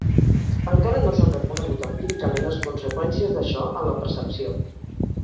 Encara no s'han reconegut empíricament les conseqüències d'això en la percepció.